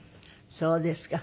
そうですか。